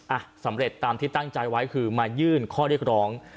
อ่ะสำเร็จตามที่ตั้งใจไว้คือมายื่นข้อเรียกร้อง